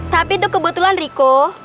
tapi itu kebetulan riko